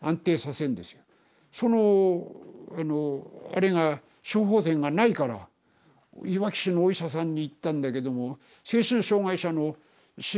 そのあのあれが処方箋がないからいわき市のお医者さんに行ったんだけども精神障害者のお医者さん